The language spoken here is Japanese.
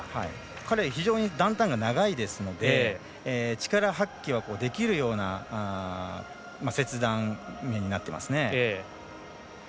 彼、非常にダウンタイムが長いですから力発揮はできるような切断面になっていますね。